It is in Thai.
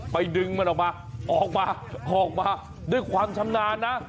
ดึงมันออกมาออกมาออกมาด้วยความชำนาญนะ